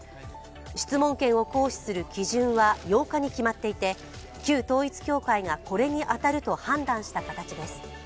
質問権を行使する基準は８日に決まっていて、旧統一教会がこれに当たると判断した形です。